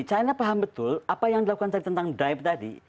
china paham betul apa yang dilakukan tadi tentang drive tadi